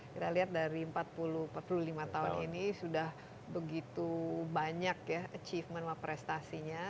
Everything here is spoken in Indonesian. kita lihat dari empat puluh empat puluh lima tahun ini sudah begitu banyak ya achievement prestasinya